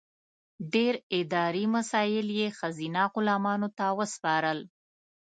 ډېر اداري مسایل یې ښځینه غلامانو ته وسپارل.